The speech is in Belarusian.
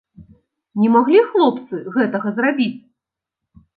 Не маглі хлопцы гэтага зрабіць?